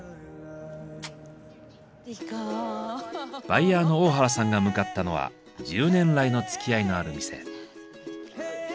バイヤーの大原さんが向かったのは１０年来のつきあいのある店。